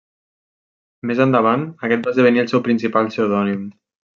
Més endavant aquest va esdevenir el seu principal pseudònim.